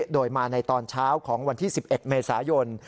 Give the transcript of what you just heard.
โดยมาในตอนเช้าของวันที่๑๑เมษายน